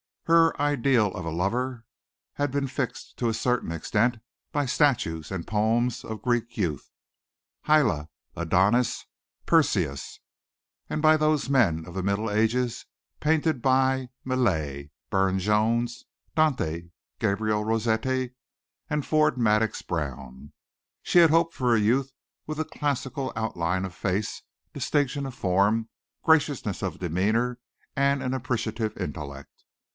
Her ideal of a lover had been fixed to a certain extent by statues and poems of Greek youth Hylas, Adonis, Perseus, and by those men of the Middle Ages painted by Millais, Burne Jones, Dante Gabriel Rossetti and Ford Madox Brown. She had hoped for a youth with a classic outline of face, distinction of form, graciousness of demeanor and an appreciative intellect.